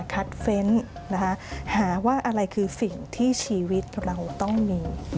เฟ้นต์หาว่าอะไรคือสิ่งที่ชีวิตเราต้องมี